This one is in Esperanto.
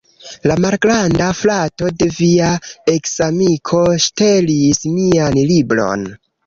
La malgranda frato de via eksamiko ŝtelis mian libron